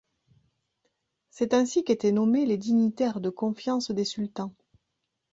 C'est ainsi qu'étaient nommés les dignitaires de confiance des sultans.